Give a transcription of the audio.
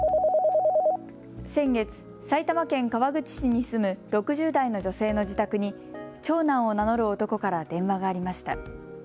先月、埼玉県川口市に住む６０代の女性の自宅に長男を名乗る男から電話がありました。